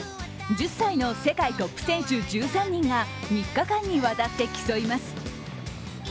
１０歳の世界トップ選手１３人が３日間にわたって競います。